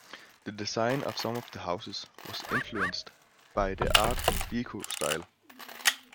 The design of some of the houses was influenced by the Art Deco style.